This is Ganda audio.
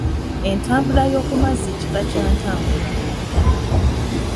Entambula yo ku mazzi Kika Kya ntambula.